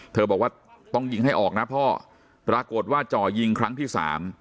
บอกว่าต้องยิงให้ออกนะพ่อปรากฏว่าจ่อยิงครั้งที่สาม